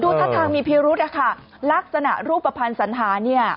ดูทัศน์ทางมีพิรุธค่ะลักษณะรูปภัณฑ์สันธาเนี่ย